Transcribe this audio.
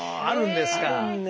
あるんですよ。